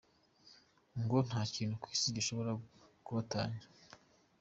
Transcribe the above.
Ngo "ntakintu ku isi gishobora kubatanya.